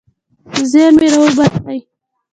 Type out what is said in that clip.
زیرمې راوباسئ.